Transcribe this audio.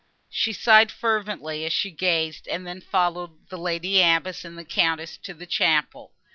She sighed fervently as she gazed, and then followed the Lady Abbess and the Countess to the chapel.